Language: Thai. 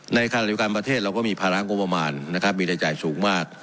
ในขณะอยู่กันประเทศเราก็มีภาระงบมาลมีรายจ่ายสูงมาก